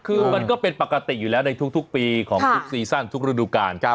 คือมันก็เป็นปกติอยู่แล้วในทุกปีของทุกซีซั่นทุกฤดูกาล